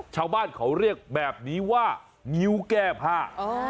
ชาวบ้านเขาเรียกแบบนี้ว่างิ้วแก้ผ้า